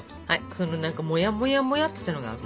そのもやもやもやってしたのがあく。